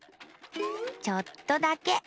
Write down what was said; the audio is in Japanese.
⁉ちょっとだけ！